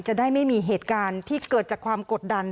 จะได้ไม่มีเหตุการณ์ที่เกิดจากความกดดัน